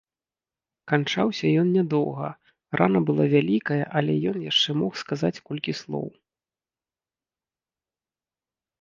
Канчаўся ён не доўга, рана была вялікая, але ён яшчэ мог сказаць колькі слоў.